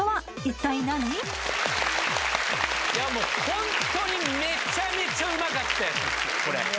本当にめちゃめちゃうまかったやつですね。